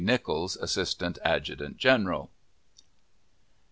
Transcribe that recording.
NICHOLS, Assistant Adjutant General.